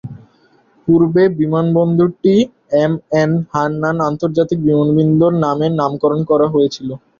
পূর্বে বিমানবন্দরটি এমএ হান্নান আন্তর্জাতিক বিমানবন্দর নামে নামকরণ করা হয়েছিল।